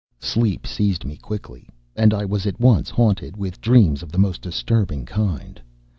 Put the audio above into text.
Sleep seized me quickly, and I was at once haunted with dreams of the most disturbing kind.